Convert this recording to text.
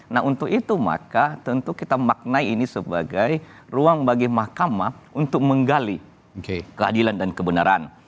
nah untuk itu maka tentu kita maknai ini sebagai ruang bagi mahkamah untuk menggali keadilan dan kebenaran